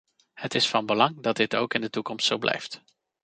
Het is van belang dat dit ook in de toekomst zo blijft.